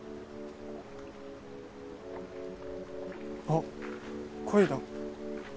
あっ鯉だ。